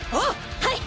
はい！